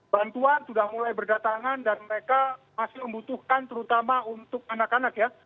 bantuan sudah mulai berdatangan dan mereka masih membutuhkan terutama untuk anak anak ya